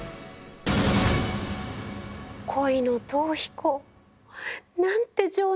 恋の逃避行。なんて情熱的。